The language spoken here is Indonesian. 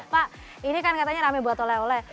pak ini kan katanya rame buat oleh oleh